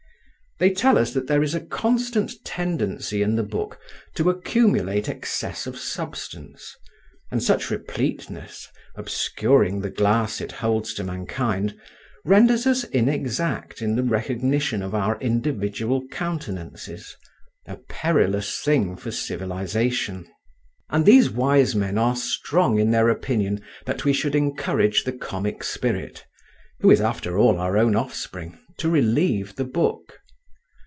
They tell us that there is a constant tendency in the Book to accumulate excess of substance, and such repleteness, obscuring the glass it holds to mankind, renders us inexact in the recognition of our individual countenances: a perilous thing for civilization. And these wise men are strong in their opinion that we should encourage the Comic Spirit, who is after all our own offspring, to relieve the Book.